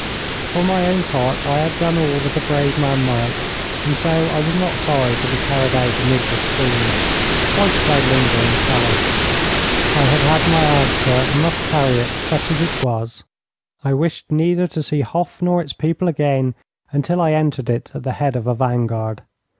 For my own part, I had done all that a brave man might, and so I was not sorry to be carried out amid the stream. Why should I linger in the palace? I had had my answer and must carry it, such as it was. I wished neither to see Hof nor its people again until I entered it at the head of a vanguard.